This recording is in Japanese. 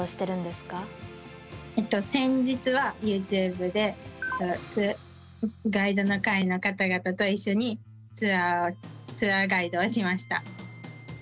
先日はＹｏｕＴｕｂｅでガイドの会の方々と一緒にツアーガイドをしました。